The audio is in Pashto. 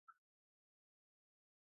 علامه حبیبي د تاریخ د تحریف پر ضد و.